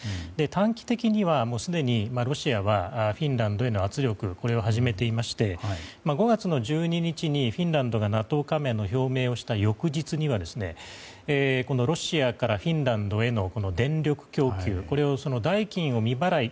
短期的にはすでにロシアはフィンランドへの圧力を始めていまして５月の１２日にフィンランドがＮＡＴＯ加盟の表明をした翌日にはロシアからフィンランドへの電力供給代金の未払い